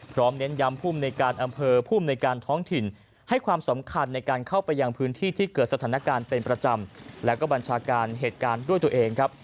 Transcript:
เน้นย้ำภูมิในการอำเภอภูมิในการท้องถิ่นให้ความสำคัญในการเข้าไปยังพื้นที่ที่เกิดสถานการณ์เป็นประจำและก็บัญชาการเหตุการณ์ด้วยตัวเองครับ